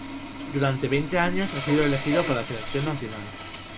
Durante veinte años ha sido elegido para la selección nacional.